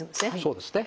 そうですね。